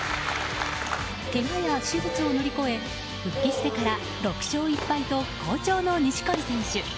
けがや手術を乗り越え復帰してから６勝１敗と好調の錦織選手。